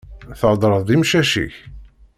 Theddreḍ d imcac-ik?